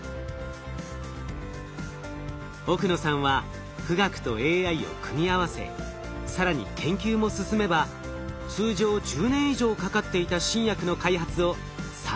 奥野さんは富岳とＡＩを組み合わせ更に研究も進めば通常１０年以上かかっていた新薬の開発を３年ほどに短縮できると考えています。